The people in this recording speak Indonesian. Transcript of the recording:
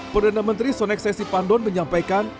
perdana menteri sonexai sipadon menyampaikan